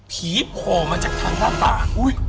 โผล่มาจากทางหน้าต่าง